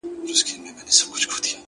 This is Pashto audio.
سپينه خولگۍ راپسي مه ږغوه؛